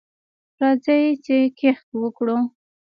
راځئ چې کښت وکړو.